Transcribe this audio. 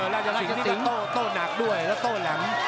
ราชสิงห์นี่ก็โตโตหนักด้วยแล้วโตแหลม